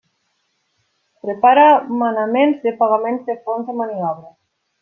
Prepara manaments de pagaments de fons de maniobra.